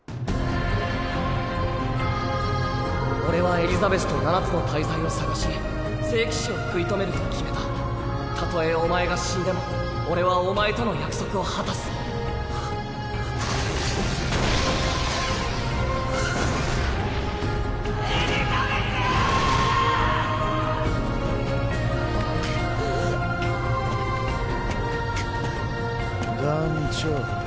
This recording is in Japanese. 俺はエリザベスと七つの大罪を捜し聖騎士を食い止めると決めたたとえお前が死んでも俺はお前とのエリザベス‼団ちょ。